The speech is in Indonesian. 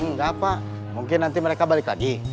gak apa mungkin nanti mereka balik lagi